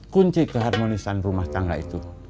kunci keharmonisan rumah tangga itu